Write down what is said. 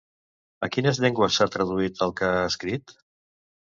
A quines llengües s'ha traduït el que ha escrit?